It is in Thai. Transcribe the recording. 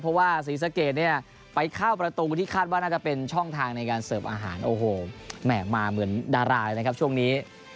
เพราะว่าศรีสะเกดเนี่ยไปเข้าประตูที่คาดว่าน่าจะเป็นช่องทางในการเสิร์ฟอาหารโอ้โหแหม่มาเหมือนดารานะครับช่วงนี้